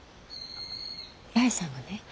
八重さんがね